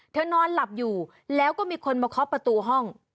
นอนหลับอยู่แล้วก็มีคนมาเคาะประตูห้อง